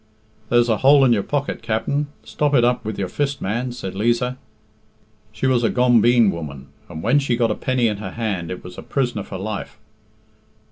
"There's a hole in your pocket, Capt'n; stop it up with your fist, man," said Liza she was a gombeen woman, and when she got a penny in her hand it was a prisoner for life.